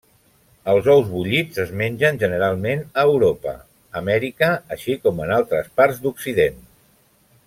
Els ous bullits es mengen generalment a Europa, Amèrica així com en altres parts d'occident.